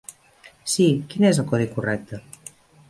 Sí, quin és el codi correcte?